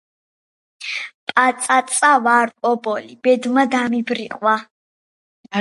პაწაწა ვარ, ობოლი. ბედმა დამიბრიყვა